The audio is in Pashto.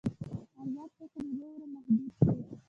ازاد فکر ورو ورو محدود شو.